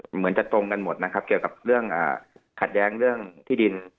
เหมือนจะตรงกันหมดนะครับเกี่ยวกับเรื่องขัดแย้งเรื่องที่ดิน